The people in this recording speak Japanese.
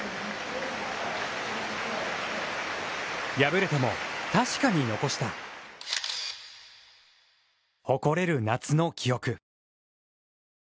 敗れても、確かに残した誇れる夏の記憶。